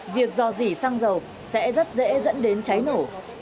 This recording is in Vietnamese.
việc dò dỉ xăng dầu sẽ rất dễ dẫn đến cháy nổ